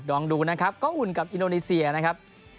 ลองดูนะครับก็อุ่นกับอินโดนีเซียนะครับ